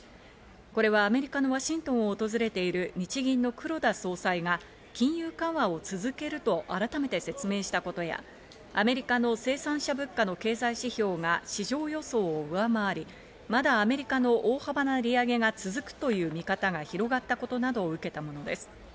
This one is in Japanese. これはアメリカのワシントンを訪れている日銀の黒田総裁が金融緩和を続けると改めて説明したことや、アメリカの生産者物価の経済指標が市場予想を上回り、まだアメリカの大幅な利上げが続くという見方が広がったことなどを受けたものです。